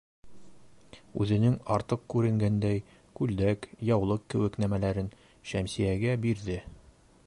Үҙенең артыҡ күренгәндәй күлдәк, яулыҡ кеүек нәмәләрен Шәмсиәгә бирҙе: